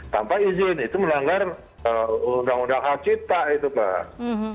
sampai izin itu melanggar undang undang al qaeda itu pak